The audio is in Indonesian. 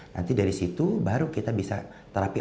nanti dari situ baru kita bisa terapi